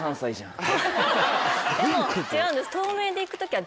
でも違うんです。